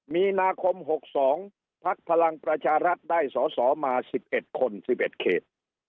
มีนาคม๖๒พักพลังประชารัฐได้สอสอมา๑๑คน๑๑เขต